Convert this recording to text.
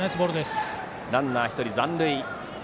ランナー１人、残塁。